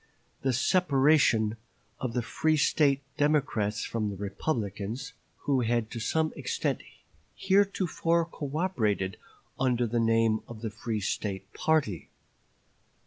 the separation of the free State Democrats from the Republicans, who had to some extent heretofore cooperated under the name of the free State party."